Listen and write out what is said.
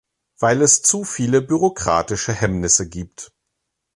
Weil es zu viele bürokratische Hemmnisse gibt.